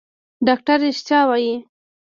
ډاکتر رښتيا وايي.